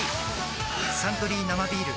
「サントリー生ビール」